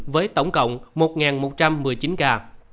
với tổng cộng một một trăm một mươi chín ca